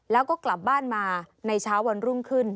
แล้วก็กลับบ้านมาในเช้าวันรุ่งขึ้น